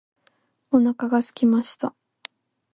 お腹が空きました。